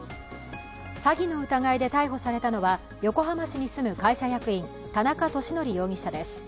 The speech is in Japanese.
詐欺の疑いで逮捕されたのは、横浜市に住む会社役員、田中利典容疑者です。